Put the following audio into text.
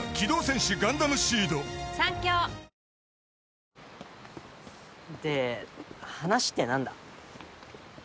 えぇ？で話って何だ？